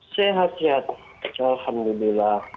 sehat sehat alhamdulillah